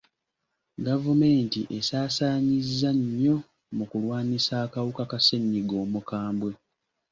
Gavumenti esaasaanyizza nnyo mu kulwanyisa akawuka ka ssenyiga omukambwe.